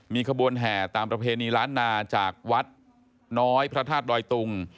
มีขบวนแห่ตามประเพณีล้านนาจากวัดน้อยพระธาตุดอยตุง